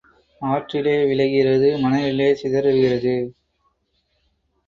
ஆற்றிலே விளைகிறது மணலிலே சிதறுகிறது.